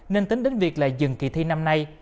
nên tính đến việc là dừng kỳ thi năm nay